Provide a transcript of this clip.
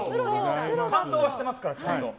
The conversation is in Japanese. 感動してますから、ちゃんと。